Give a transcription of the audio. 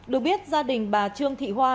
được biết gia đình bà trương thị hoa